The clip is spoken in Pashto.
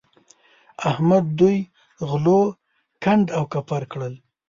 احمد دوی غلو کنډ او کپر کړل.